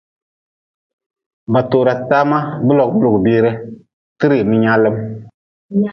Ba tora tama, bi logm lugʼbire, ti rim nyaalm.